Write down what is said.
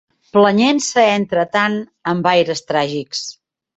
Planyent-se entretant amb aires tràgics